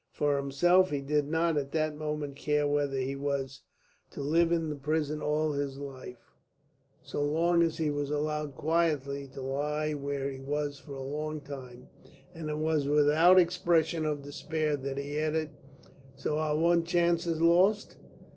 For himself he did not at that moment care whether he was to live in the prison all his life, so long as he was allowed quietly to lie where he was for a long time; and it was without any expression of despair that he added, "So our one chance is lost."